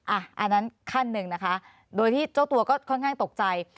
อันนั้นขั้นหนึ่งนะคะโดยที่เจ้าตัวก็ค่อนข้างตกใจ